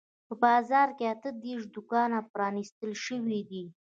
په بازار کې اته دیرش دوکانونه پرانیستل شوي دي.